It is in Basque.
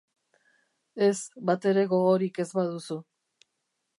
Ez, batere gogorik ez baduzu.